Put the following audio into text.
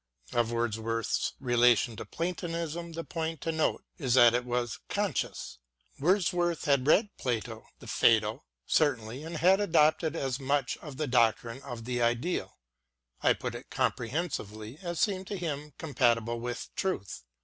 Of Wordsworth's relation to Platonism the point to note is that it was conscious. Wordsworth had WORDSWORTH AS A TEACHER 109 read Plato, the " Phsedo " certainly, and had adopted as much of the doctrine of the ideal — I put it comprehensively — as seemed to him compatible with truth.